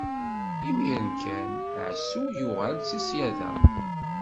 Imiren kan, Ɛisu yuɣal-d si ṣṣyada.